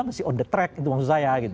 masih on the track itu maksud saya gitu